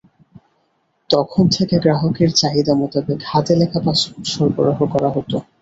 তখন থেকে গ্রাহকের চাহিদা মোতাবেক হাতে লেখা পাসপোর্ট সরবরাহ করা হতো।